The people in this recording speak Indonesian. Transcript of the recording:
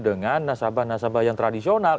dengan nasabah nasabah yang tradisional